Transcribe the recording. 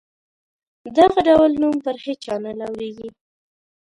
دغه ډول نوم پر هیچا نه لورېږي.